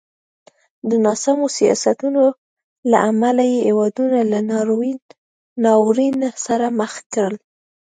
د ناسمو سیاستونو له امله یې هېوادونه له ناورین سره مخ کړل.